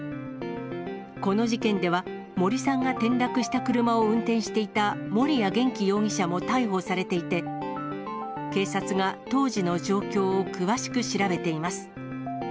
この事件では、森さんが転落した車を運転していた、森谷元気容疑者も逮捕されていて、警察が当時の状況を詳しく調べています。